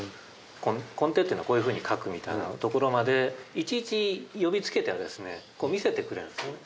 コンテっていうのはこういうふうに描くみたいなところまでいちいち呼びつけては見せてくれるんですね